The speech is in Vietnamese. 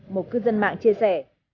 một cư dân mạng chia sẻ